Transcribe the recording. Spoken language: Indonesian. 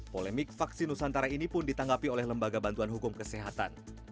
polemik vaksin nusantara ini pun ditanggapi oleh lembaga bantuan hukum kesehatan